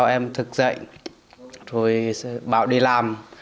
em thức dậy rồi bảo đi làm